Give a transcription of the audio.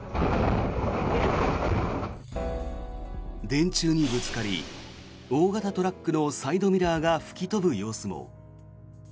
電柱にぶつかり大型トラックのサイドミラーが吹き飛ぶ様子も。